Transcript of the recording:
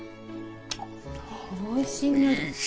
おいしい。